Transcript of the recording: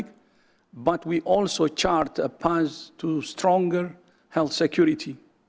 tapi juga mencari jalan ke keamanan yang lebih kuat